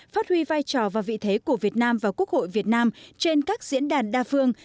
phát huy vai trò và vị thế của việt nam và quốc hội việt nam trên các diễn đàn đa phương